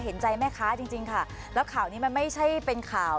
เห็นใจแม่ค้าจริงจริงค่ะแล้วข่าวนี้มันไม่ใช่เป็นข่าว